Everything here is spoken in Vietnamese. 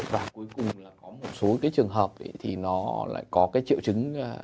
và cuối cùng là có một số cái trường hợp thì nó lại có cái triệu chứng